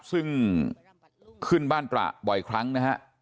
ซึ่งขึ้นบ้านตระบ่อยครั้งนะฮะ